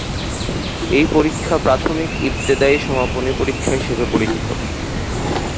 এই পরীক্ষা প্রাথমিক ইবতেদায়ী সমাপনী পরীক্ষা হিসেবে পরিচিত।